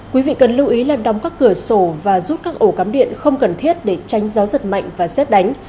quý vị cần lưu ý là đóng các cửa sổ và rút các ổ cắm điện không cần thiết để tránh gió giật mạnh và xét đánh